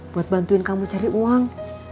buat bantuin kamu cari uang